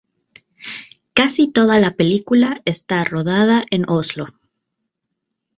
Casi toda la película está rodada en Oslo.